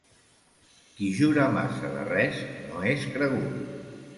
Qui jura massa de res no és cregut.